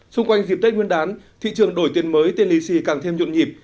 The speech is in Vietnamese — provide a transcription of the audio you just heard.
xung quanh dịp tết nguyên đán thị trường đổi tiền mới tên lý xì càng thêm nhuận nhịp